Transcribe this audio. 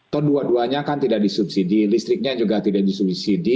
atau dua duanya kan tidak disubsidi listriknya juga tidak disubsidi